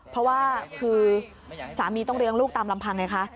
เพราะว่าคือสามีต้องเลี้ยงลูกตามลำพังไงคะ